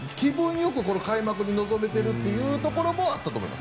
よく開幕に臨めているというところもあったと思います。